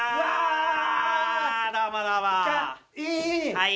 はい。